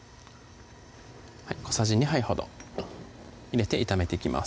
小さじ２杯ほど入れて炒めていきます